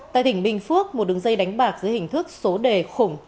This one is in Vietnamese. tại tỉnh bình phước một đường dây đánh bạc dưới hình thức số đề khủng